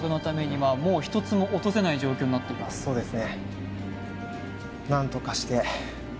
そうですね